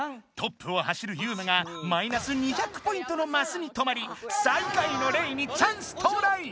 トップを走るユウマがマイナス２００ポイントのマスに止まり最下位のレイにチャンス到来！